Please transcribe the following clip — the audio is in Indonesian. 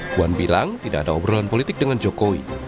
puan bilang tidak ada obrolan politik dengan jokowi